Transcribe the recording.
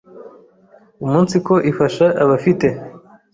umunsiko ifasha abafite